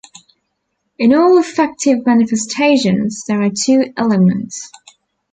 In all affective manifestations there are two elements